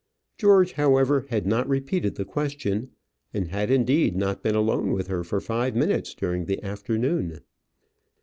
George, however, had not repeated the question; and had, indeed, not been alone with her for five minutes during the afternoon.